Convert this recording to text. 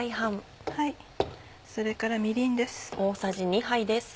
それからみりんです。